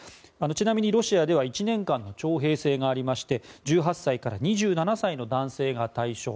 ちなみにロシアでは１年間の徴兵制がありまして１８歳から２７歳の男性が対象。